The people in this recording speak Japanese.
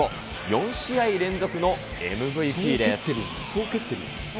４試合連続のＭＶＰです。